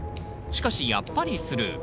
しかしやっぱりスルー。